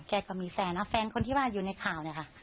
ก็มีแฟนนะแฟนคนที่ว่าอยู่ในข่าวเนี่ยค่ะ